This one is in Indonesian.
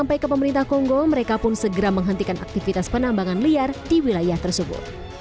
sampai ke pemerintah kongo mereka pun segera menghentikan aktivitas penambangan liar di wilayah tersebut